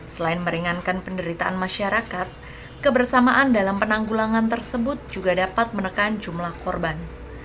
selain meringankan penderitaan masyarakat kebersamaan dalam penanggulangan tersebut juga dapat menekan jumlah korban